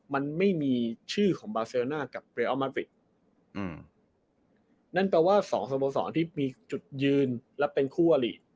มันไม่มีชื่อของบาเซอร์น่ากับเรอัลมาฟริกอืมนั่นแปลว่าสองสโมสรที่มีจุดยืนและเป็นคู่อลิ